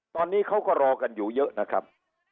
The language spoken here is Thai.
ตอนนี้เขาก็รอกันอยู่เยอะนะครับ